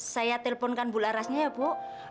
saya telponkan bularasnya ya bu